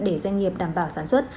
để doanh nghiệp đảm bảo sản xuất